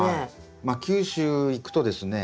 まあ九州行くとですね